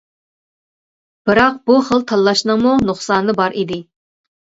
بىراق بۇ خىل تاللاشنىڭمۇ نۇقسانى بار ئىدى.